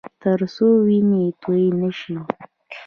ترڅو وینې تویې نه شي